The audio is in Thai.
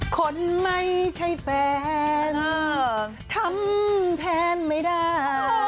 คนไม่ใช่แฟนทำแทนไม่ได้